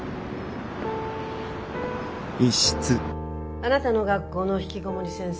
あなたの学校のひきこもり先生